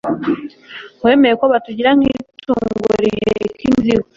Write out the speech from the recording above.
Wemeye ko batugira nk’itungo riheka imizigo